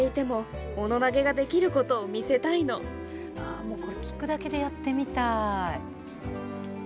あもうこれ聞くだけでやってみたい。